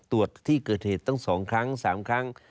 ตรวจที่เกิดเหตุตั้ง๒ครั้ง๓ครั้ง